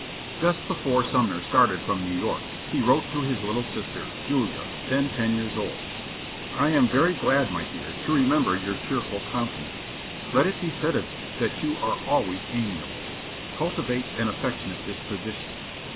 Just before Sumner started from New York, he wrote to his little sister, Julia, then ten years old, "I am very glad, my dear, to remember your cheerful countenance.... Let it be said of you that you are always amiable.... Cultivate an affectionate disposition.